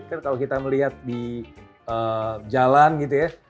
kan kalau kita melihat di jalan gitu ya